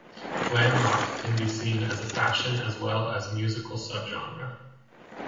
Glam rock can be seen as a fashion as well as musical subgenre.